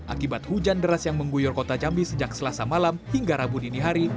akibat hujan deras yang mengguyur kota jambi sejak selasa malam hingga rabu dini hari